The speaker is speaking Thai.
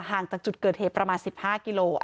ห่างจากจุดเกิดเหตุประมาณ๑๕กิโล